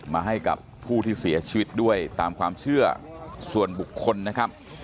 มาให้กับผู้ที่เสียชีวิตด้วยตามความเชื่อส่วนบุคคลนะครับ